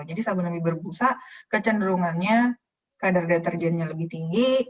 jadi sabun yang lebih berbusa kecenderungannya kadar deterjennya lebih tinggi